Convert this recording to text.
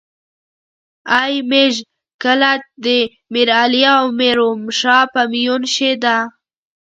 ای ميژ کله دې ميرعلي او میرومشا په میون شې ده